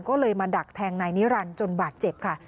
ก็เลยมาดักแทงนายนิรันดิ์จนบาดเจ็บค่ะ